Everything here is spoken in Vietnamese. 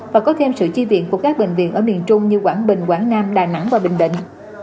và có thêm sự chi viện của các bệnh viện ở miền trung như quảng bình quảng nam đà nẵng và bình định